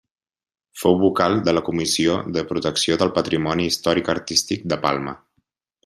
Fou vocal de la Comissió de Protecció del Patrimoni Històric-Artístic de Palma.